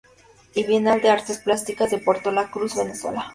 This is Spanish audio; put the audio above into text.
V Bienal de Artes Plásticas de Puerto La Cruz, Venezuela.